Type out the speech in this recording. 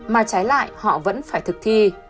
mà trái lại họ vẫn phải thực thi